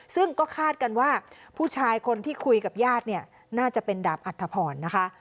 ซึ่งก็คาดกันว่าผู้ชายคนที่คุยกับญาติเนี่ยน่าจะเป็นดาบอัธพรนะคะ